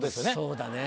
そうだね